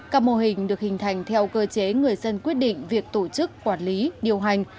các mô hình được hình thành theo cơ chế người dân quyết định việc tổ chức quản lý điều hành